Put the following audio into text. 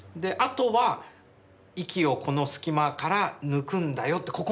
あとは息をこの隙間から抜くんだよって